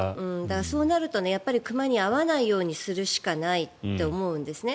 そうなると熊に会わないようにするしかないと思うんですね。